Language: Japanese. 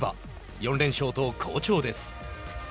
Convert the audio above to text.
４連勝と好調です。